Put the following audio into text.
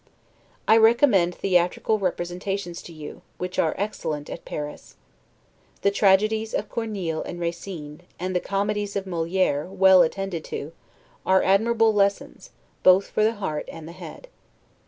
I recommend theatrical representations to you; which are excellent at Paris. The tragedies of Corneille and Racine, and the comedies of Moliere, well attended to, are admirable lessons, both for the heart and the head.